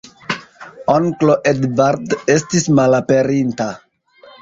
Onklo Edvard estis malaperinta.